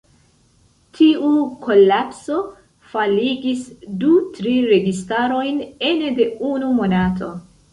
Tiu kolapso faligis du-tri registarojn ene de unu monato.